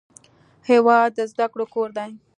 هېواد د زده کړو کور دی.